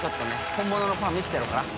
本物のパン見してやろうかな